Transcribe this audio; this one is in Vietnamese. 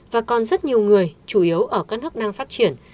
và còn rất nhiều người chủ yếu ở các nước đang phát triển